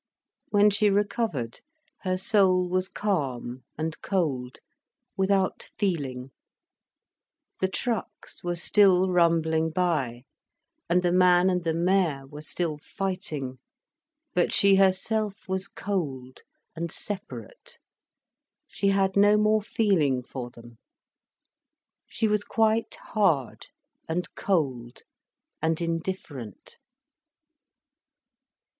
When she recovered, her soul was calm and cold, without feeling. The trucks were still rumbling by, and the man and the mare were still fighting. But she herself was cold and separate, she had no more feeling for them. She was quite hard and cold and indifferent.